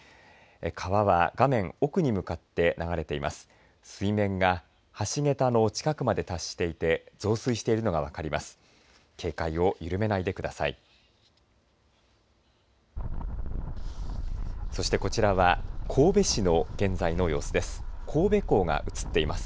川は画面奥に向かって流れています。